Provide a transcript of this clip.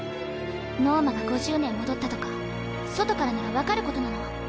ノーマが５０年戻ったとか外からなら分かることなの。